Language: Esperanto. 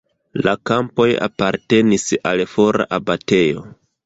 La kampoj apartenis al fora abatejo.